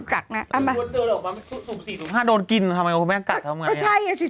ออกมาสูงสี่สองห้าโดนกินทำไมพระพุทธแม่งกัดแล้วทำไมอ้อใช่